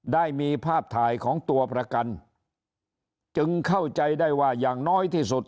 ได้มีภาพถ่ายของตัวประกันจึงเข้าใจได้ว่าอย่างน้อยที่สุด